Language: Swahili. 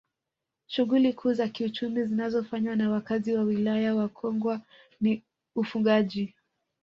Shughuli kuu za kiuchumu zinazofanywa na wakazi wa Wilaya ya Kongwa ni ufugaji